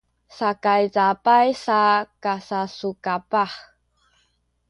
sakay cabay sa kasasukapah